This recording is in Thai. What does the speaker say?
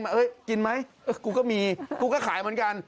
กินไหมกูก็มีกูก็ขายเหมือนกัน